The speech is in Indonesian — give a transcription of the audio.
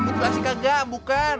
ngoperasi kagak bukan